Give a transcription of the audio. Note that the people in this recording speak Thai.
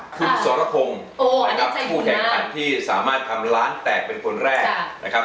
คุณสรพงศ์นะครับผู้แข่งขันที่สามารถทำล้านแตกเป็นคนแรกนะครับ